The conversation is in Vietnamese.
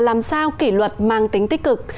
làm sao kỷ luật mang tính tích cực